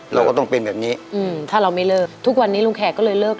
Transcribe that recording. เราก็ต้องเป็นแบบนี้อืมถ้าเราไม่เลิกทุกวันนี้ลุงแขกก็เลยเลิก